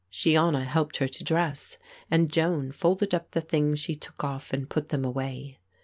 Shiona helped her to dress and Joan folded up the things she took off and put them away.